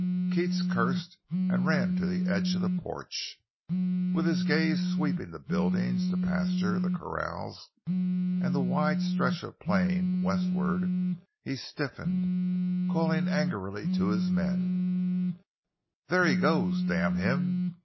Keats cursed and ran to the edge of the porch. With his gaze sweeping the buildings, the pasture, the corrals, and the wide stretch of plain westward, he stiffened, calling angrily to his men: "There he goes—damn him!